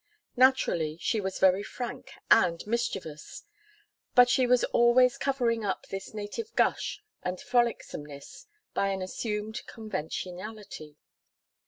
Naturally, she was very frank and mischievous, but she was always covering up this native gush and frolicsomeness by an assumed conventionality.